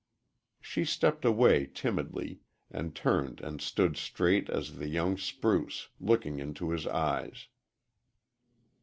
She stepped away timidly, and turned and stood straight as the young spruce, looking into his eyes.